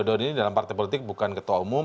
presiden jokowi dalam partai politik bukan ketua umum